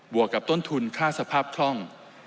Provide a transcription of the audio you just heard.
วกกับต้นทุนค่าสภาพคล่อง